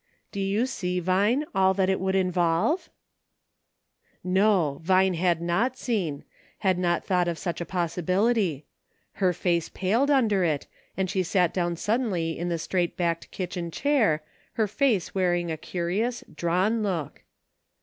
Do you see, Vine, all that it would involve .'" No, Vine had not seen ; had not thought of such a possibility. Her face paled under it, and she sat down suddenly in the straight backed kitchen chair, her face wearing a curious, drawn look.